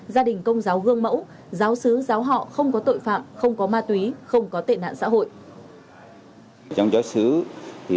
gia đình công giáo gương mẫu giáo sứ giáo họ không có tội phạm không có ma túy không có tệ nạn xã hội